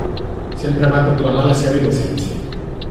Sempre va proclamar la seva innocència.